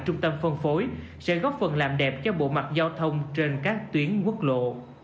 trung tâm phân phối sẽ góp phần làm đẹp cho bộ mặt giao thông trên các tuyến quốc lộ